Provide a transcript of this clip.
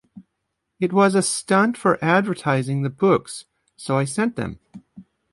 It was a stunt for advertising the books, so I sent them.